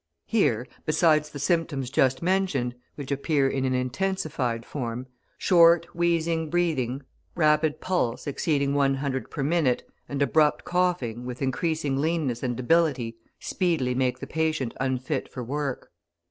Here, besides the symptoms just mentioned, which appear in an intensified form, short, wheezing, breathing, rapid pulse (exceeding 100 per minute), and abrupt coughing, with increasing leanness and debility, speedily make the patient unfit for work.